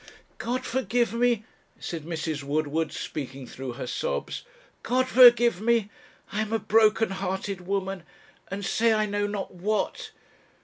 'God forgive me,' said Mrs. Woodward, speaking through her sobs 'God forgive me! I am a brokenhearted woman, and say I know not what.